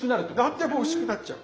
何でもおいしくなっちゃう。